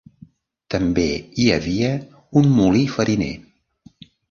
També hi havia un molí fariner.